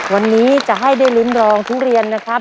วันนี้จะให้ได้ลิ้มรองทุเรียนนะครับ